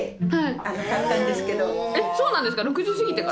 そうなんですか？